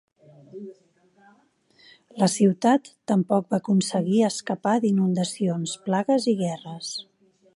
La ciutat tampoc va aconseguir escapar d'inundacions, plagues i guerres.